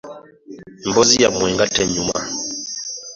Emboozi yammwe nga tenyuma.